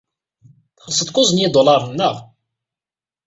Txellsed-t kuẓ n yidulaṛen, naɣ?